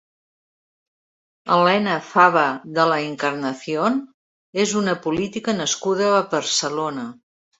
Elena Faba de la Encarnación és una política nascuda a Barcelona.